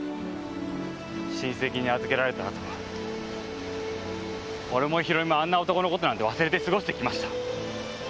親戚に預けられたあとは俺も弘美もあんな男のことなんて忘れて過ごしてきました。